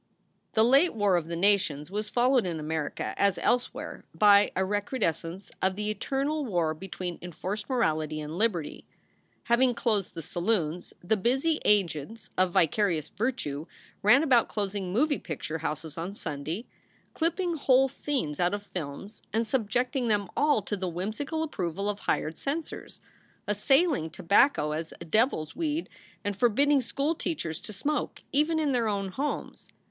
The late war of the nations was followed in America, as elsewhere, by a recrudescence of the eternal war between enforced morality and liberty. Having closed the saloons, the busy agents of vicarious virtue ran about closing moving picture houses on Sunday, clipping whole scenes out of films and subjecting them all to the whimsical approval of hired censors; assailing tobacco as a devil s weed and for bidding school teachers to smoke even in their own homes.